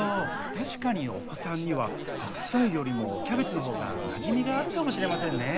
確かにお子さんには白菜よりもキャベツのほうがなじみがあるかもしれませんね。